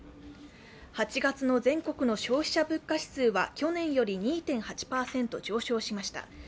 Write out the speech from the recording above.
８月の全国の消費者物価指数は、去年より２．８％上昇しました。